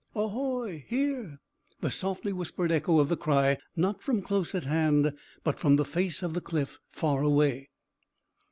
Ahoy! Here! The softly whispered echo of the cry, not from close at hand, but from the face of the cliff far away.